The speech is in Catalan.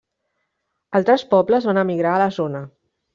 Altres pobles van emigrar a la zona.